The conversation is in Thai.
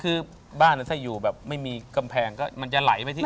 คือบ้านถ้าอยู่แบบไม่มีกำแพงก็มันจะไหลไปที่